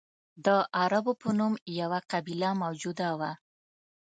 د عربو په نوم یوه قبیله موجوده وه.